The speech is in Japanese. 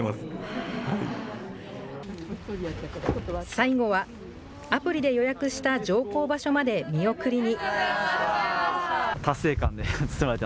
最後は、アプリで予約した乗降場所まで見送りに。